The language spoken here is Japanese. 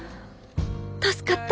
助かった！